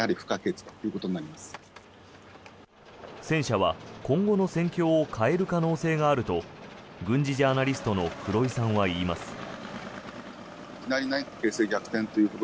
戦車は今後の戦況を変える可能性があると軍事ジャーナリストの黒井さんは言います。